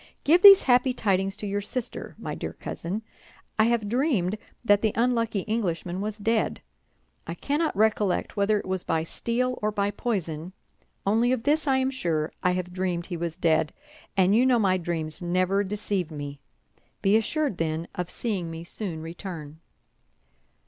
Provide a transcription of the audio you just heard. Give these happy tidings to your sister, my dear cousin. I have dreamed that the unlucky Englishman was dead. I cannot recollect whether it was by steel or by poison; only of this I am sure, I have dreamed he was dead, and you know my dreams never deceive me. Be assured, then, of seeing me soon return."